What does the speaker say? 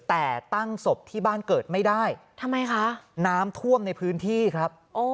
แต่ตั้งศพที่บ้านเกิดไม่ได้ทำไมคะน้ำท่วมในพื้นที่ครับ